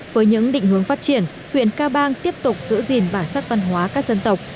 với những định hướng phát triển huyện ca bang tiếp tục giữ gìn bản sắc văn hóa các dân tộc